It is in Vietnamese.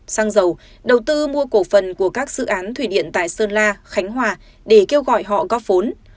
sang giàu đầu tư mua cổ phần của các dự án thủy điện tại sơn la khánh hòa để kêu gọi họ góp phốn